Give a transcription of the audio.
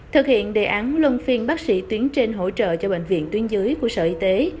thực hiện đề án luân phiên bác sĩ tuyến trên hỗ trợ cho bệnh viện tuyến dưới của sở y tế